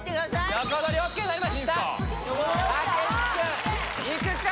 横取りＯＫになりましたいいですか？